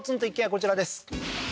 こちらです